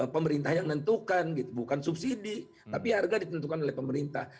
pemerintah yang nentukan bukan subsidi tapi harga ditentukan oleh pemerintah